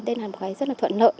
đây là một cái rất là thuận lợi